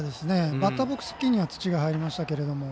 バッターボックス付近には土が入りましたけど。